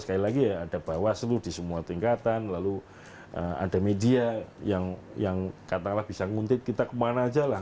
sekali lagi ya ada bawaslu di semua tingkatan lalu ada media yang katakanlah bisa nguntit kita kemana aja lah